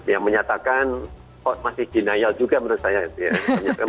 yang menyatakan oh masih jenayel juga menurut saya